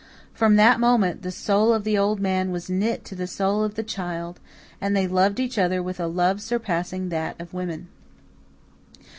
From that moment the soul of the old man was knit to the soul of the child, and they loved each other with a love surpassing that of women.